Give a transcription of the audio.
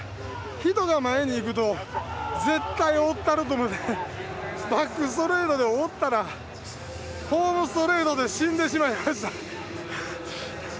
人が前にいくと絶対追ったると思ってバックストレートで追ったらホームストレートで死んでしまいました。